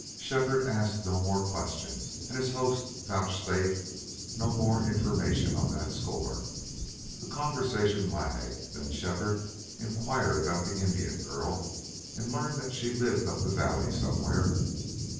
Shefford asked no more questions and his host vouchsafed no more information on that score. The conversation lagged. Then Shefford inquired about the Indian girl and learned that she lived up the valley somewhere.